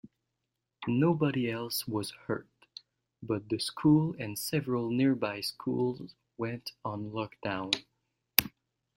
Nobody else was hurt, but the school and several nearby schools went on lockdown.